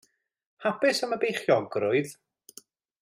Hapus am y beichiogrwydd.